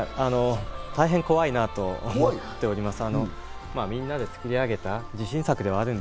大変怖いなと思っております。